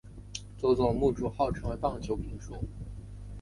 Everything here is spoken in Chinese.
佐佐木主浩成为棒球评述。